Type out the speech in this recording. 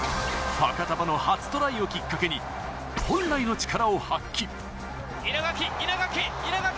ファカタヴァの初トライをきっかけに、本来の力を発揮。